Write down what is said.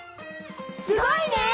すごいね！